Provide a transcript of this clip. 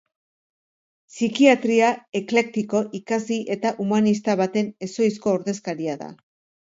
Psikiatria eklektiko, ikasi eta humanista baten ezohizko ordezkaria da.